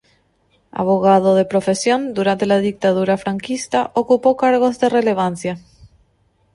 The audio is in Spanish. Abogado de profesión, durante la Dictadura franquista ocupó cargos de relevancia.